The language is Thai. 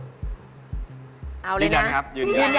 ยืนยันนะอย่างนี้นะ